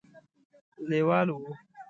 لېواله وو.